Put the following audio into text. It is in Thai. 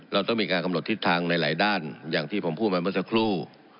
เราต้องมีการกำหนดทิศทางในหลายด้านอย่างที่ผมพูดมาเมื่อสักครู่